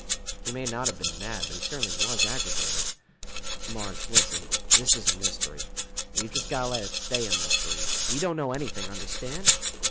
"He may not have been mad, but he certainly was aggravated. Marge, listen! This is a mystery. We've just got to let it stay a mystery. We don't know anything, understand?